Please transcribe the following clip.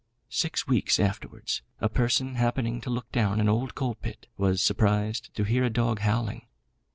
Six weeks afterwards a person happening to look down an old coal pit, was surprised to hear a dog howling.